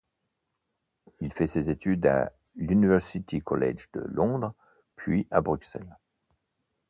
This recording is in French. Il fait ses études à l'University College de Londres, puis à Bruxelles.